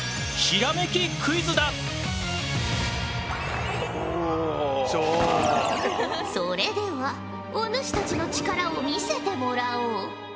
それではお主たちの力を見せてもらおう。